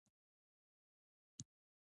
ټولنې الهام شاعرانو ته ځواک ورکوي.